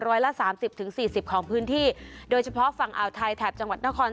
ร้อยละสามสิบถึงสี่สิบของพื้นที่โดยเฉพาะฝั่งอ่าวไทยแถบจังหวัดนคร